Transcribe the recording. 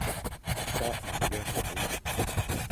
博文約禮